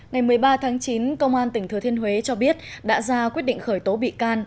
ngày một mươi ba tháng chín công an tỉnh thừa thiên huế cho biết đã ra quyết định khởi tố bị can